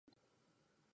埼玉県清瀬市